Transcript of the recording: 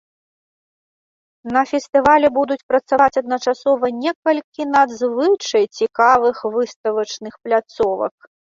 На фестывалі будуць працаваць адначасова некалькі надзвычай цікавых выставачных пляцовак.